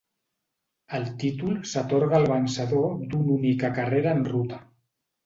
El títol s'atorga al vencedor d'una única carrera en ruta.